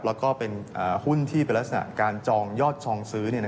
แล้วก็เป็นหุ้นที่เป็นลักษณะการจองยอดจองซื้อ